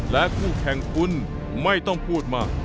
และคู่แข่งคุณไม่ต้องพูดมาก